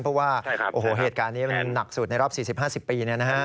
เพราะว่าใช่ครับโอ้โหเหตุการณ์นี้มันนักสุดในรอบสี่สิบห้าสิบปีเนี่ยนะฮะ